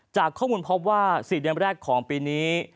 จากข้อมูลพบว่า๔เดือนแรกของปีนี้